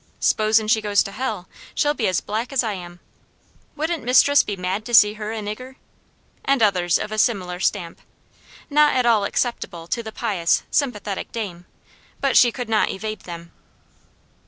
S'posen she goes to hell, she'll be as black as I am. Wouldn't mistress be mad to see her a nigger!" and others of a similar stamp, not at all acceptable to the pious, sympathetic dame; but she could not evade them.